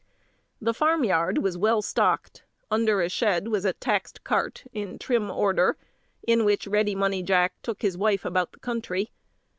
The farm yard was well stocked; under a shed was a taxed cart, in trim order, in which Ready Money Jack took his wife about the country.